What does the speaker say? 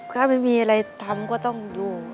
ถ้าไม่มีอะไรทำก็ต้องอยู่